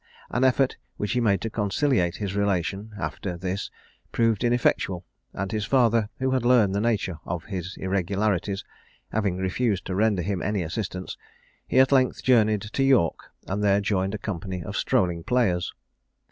An effort which he made to conciliate his relation after this proved ineffectual; and his father, who had learned the nature of his irregularities, having refused to render him any assistance, he at length journeyed to York, and there joined a company of strolling players.